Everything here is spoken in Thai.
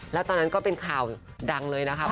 แล้วตอนนั้นก็เป็นข่าวดังเลยนะครับ